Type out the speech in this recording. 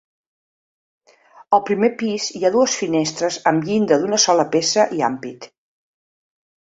Al primer pis hi ha dues finestres amb llinda d'una sola peça i ampit.